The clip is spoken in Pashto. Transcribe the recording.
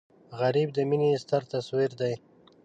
غریب د مینې ستر تصویر دی